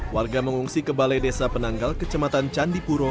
warga mengungsi ke balai desa penanggal kecamatan candipuro